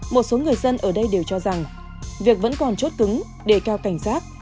một số người dân ở đây đều cho rằng việc vẫn còn chốt cứng để cao cảnh giác